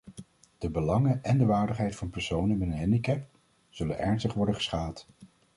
De belangen en de waardigheid van personen met een handicap zullen ernstig worden geschaad.